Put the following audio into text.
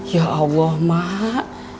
ya allah mak